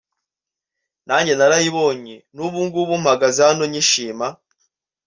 nanjye narayibonye n’ubu ngubu mpagaze hano nyishima